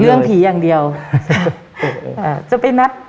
เรื่องผีอย่างเดียวอ่าจะไปนัด